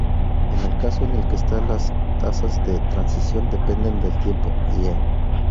En el caso en el que las tasas de transición dependan del tiempo, i.e.